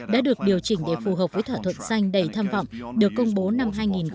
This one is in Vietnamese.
đã được điều chỉnh để phù hợp với thỏa thuận xanh đầy tham vọng được công bố năm hai nghìn một mươi năm